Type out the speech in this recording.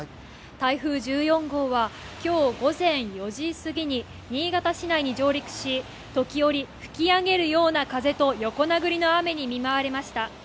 台風１４号は今日午前４時すぎに新潟市内に上陸し、時折吹き上げるような風と横殴りの雨に見舞われました。